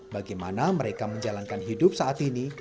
bagaimana mereka menjalankan hidup saat ini